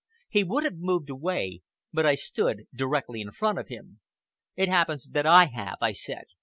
He would have moved away, but I stood directly in front of him. "It happens that I have," I said.